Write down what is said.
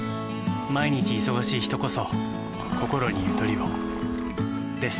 毎日忙しい人こそこころにゆとりをです。